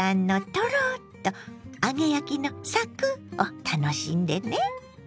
トロッと揚げ焼きのサクッを楽しんでね。